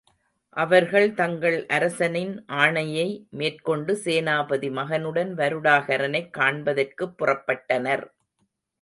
அவர்கள் தங்கள் அரசனின் ஆணையை மேற்கொண்டு சேனாபதி மகனுடன் வருடகாரனைக் காண்பதற்குப் புறப்பட்டனர்.